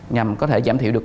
nhằm có thể giảm thiểu được